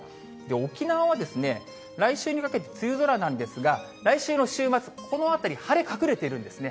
沖縄は来週にかけて梅雨空なんですが、来週の週末、このあたり、晴れ隠れているんですね。